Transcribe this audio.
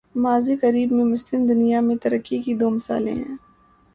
ماضی قریب میں، مسلم دنیا میں ترقی کی دو مثالیں ہیں۔